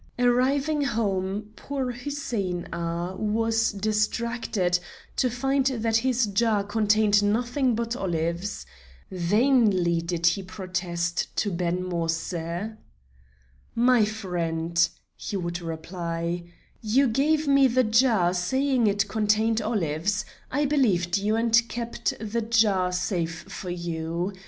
Arriving home, poor Hussein Agha was distracted to find that his jar contained nothing but olives. Vainly did he protest to Ben Moïse. "My friend," he would reply, "you gave me the jar, saying it contained olives. I believed you and kept the jar safe for you.